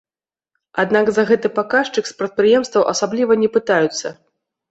Аднак за гэты паказчык з прадпрыемстваў асабліва не пытаюцца.